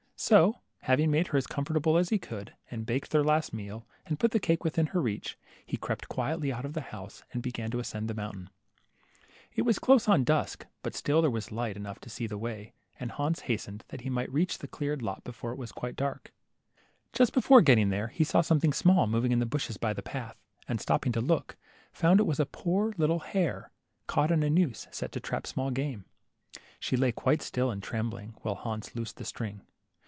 So having made her as comfortable as he could, and baked their last meal, and put the cake within her reach, he crept quietly out of the house, and began to ascend the mountain. It was close on dusk, but still there was light LITTLE HANS, 29 enough to see the way, and Hans hastened, that he might reach the cleared lot before it was quite dark. Just before getting there, he saw something small moving in the bushes by the path, and stopping to look, found it was a poor little hare, caught in a noose set to trap small game. She lay quite still and trembling, while Hans loosed the string.